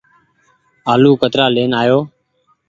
آلو ڪترآ لين آئو ۔